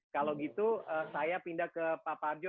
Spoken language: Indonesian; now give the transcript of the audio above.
kalau gitu saya pindah ke pak parjo